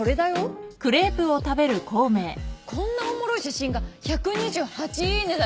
いやこんなおもろい写真が１２８イイネだよ。